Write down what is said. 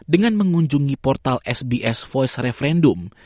dengan mengunjungi portal sbs voice referendum